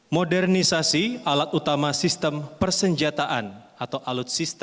modernisasi alat utama sistem persenjataan atau alutsista